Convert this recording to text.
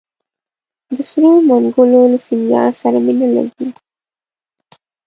د سرو منګولو له سینګار سره مي نه لګیږي